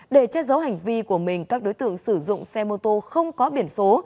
để trách dấu hành vi của mình các đối tượng sử dụng xe mô tô không có biển số